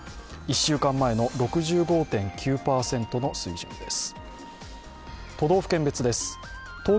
１週間前の６５．９％の水準です。